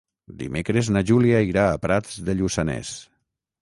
Dimecres na Júlia irà a Prats de Lluçanès.